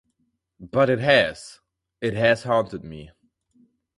But it has - it has haunted me.